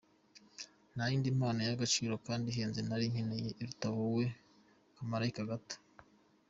Nta yindi mpano y’agaciro kandi ihenze nari nkeneye iruta wowe kamarayika gato.